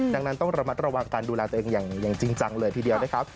ดังนั้นต้องระมัดระวังการดูแลตัวเองอย่างจริงจังเลยทีเดียวนะครับ